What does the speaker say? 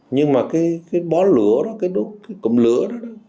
nhưng mà cái bó lửa đó cái cụm lửa đó